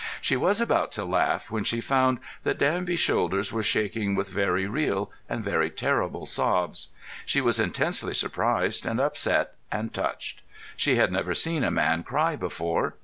She was about to laugh, when she found that Danby's shoulders were shaking with very real and very terrible sobs. She was intensely surprised and upset and touched. She had never seen a man cry before.